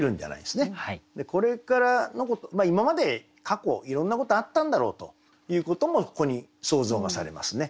まあ今まで過去いろんなことあったんだろうということもここに想像がされますね。